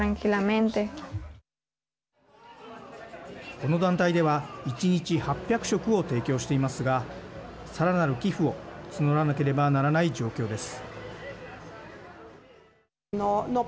この団体では１日８００食を提供していますがさらなる寄付を募らなければならない状況です。